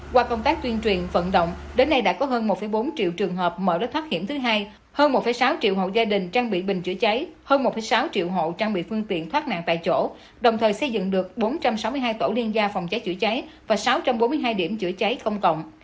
qua công tác tuyên truyền vận động đến nay đã có hơn một bốn triệu trường hợp mở lớp thoát hiểm thứ hai hơn một sáu triệu hộ gia đình trang bị bình chữa cháy hơn một sáu triệu hộ trang bị phương tiện thoát nạn tại chỗ đồng thời xây dựng được bốn trăm sáu mươi hai tổ liên gia phòng cháy chữa cháy và sáu trăm bốn mươi hai điểm chữa cháy công cộng